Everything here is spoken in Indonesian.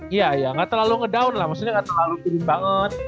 iya iya gak terlalu ngedown lah maksudnya gak terlalu piring banget